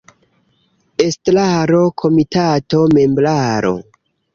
Estraro – Komitato – Membraro.